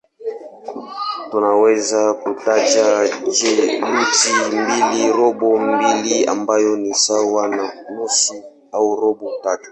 Tunaweza kutaja theluthi mbili, robo mbili ambayo ni sawa na nusu au robo tatu.